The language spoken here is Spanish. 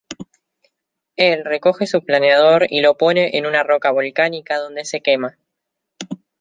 Él recoge su planeador y lo pone en una roca volcánica donde se quema.